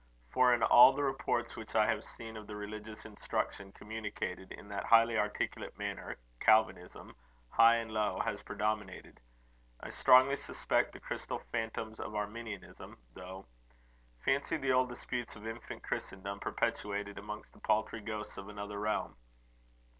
"For in all the reports which I have seen of the religious instruction communicated in that highly articulate manner, Calvinism, high and low, has predominated. I strongly suspect the crystal phantoms of Arminianism, though. Fancy the old disputes of infant Christendom perpetuated amongst the paltry ghosts of another realm!"